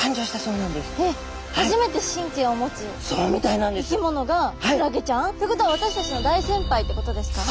えっ初めて神経を持つ生き物がクラゲちゃん。ってことは私たちの大先輩ってことですか？